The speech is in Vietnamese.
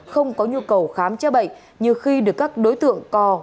không có nhu cầu khám chữa bệnh như khi được các đối tượng co